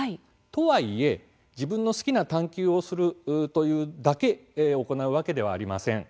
とはいえ、自分の好きな「探究」をするというだけ行うわけではありません。